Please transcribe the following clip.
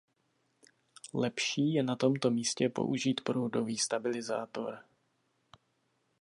Lepší je na tomto místě použít proudový stabilizátor.